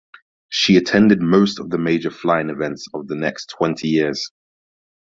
She attended most of the major flying events of the next twenty years.